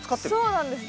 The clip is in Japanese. そうなんです。